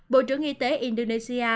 bộ trưởng y tế indonesia